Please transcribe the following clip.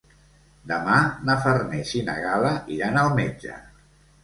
Demà na Farners i na Gal·la iran al metge.